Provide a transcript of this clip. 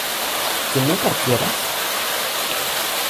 ¿que no partieras?